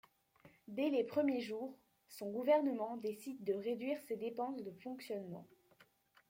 Dès les premiers jours, son gouvernement décide de réduire ses dépenses de fonctionnement.